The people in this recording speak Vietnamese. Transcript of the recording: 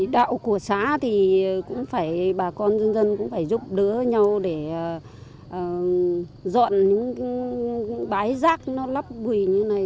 đạo của xã thì bà con dân dân cũng phải giúp đỡ nhau để dọn những bái rác nó lấp bùi như thế này